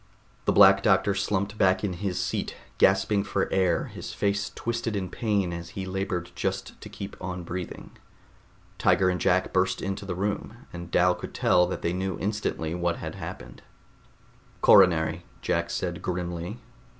The Black Doctor slumped back in his seat, gasping for air, his face twisted in pain as he labored just to keep on breathing. Tiger and Jack burst into the room, and Dal could tell that they knew instantly what had happened. "Coronary," Jack said grimly.